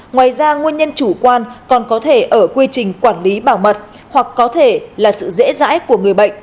ngoài ra nguyên nhân chủ quan còn có thể ở quy trình quản lý bảo mật hoặc có thể là sự dễ dãi của người bệnh